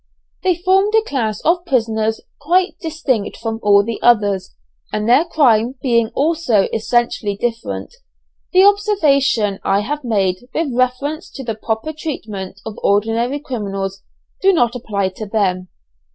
They formed a class of prisoners quite distinct from all the others, and their crime being also essentially different, the observation I have made with reference to the proper treatment of ordinary criminals do not apply to them.